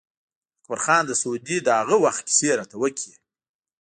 اکبر خان د سعودي د هغه وخت کیسې راته وکړې.